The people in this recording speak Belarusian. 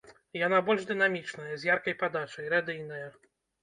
Яна больш дынамічная, з яркай падачай, радыйная.